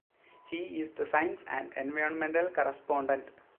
He is the science and environmental correspondent.